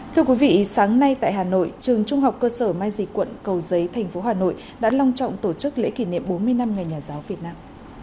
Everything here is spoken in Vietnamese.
thưa quý vị sáng nay tại hà nội trường trung học cơ sở mai dịch quận cầu giấy thành phố hà nội đã long trọng tổ chức lễ kỷ niệm bốn mươi năm ngày nhà giáo việt nam